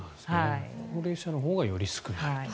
高齢者のほうがより少ないと。